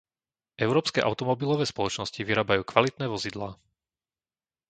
Európske automobilové spoločnosti vyrábajú kvalitné vozidlá.